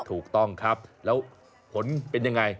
ถูกต้องครับแล้วผลเป็นยังไง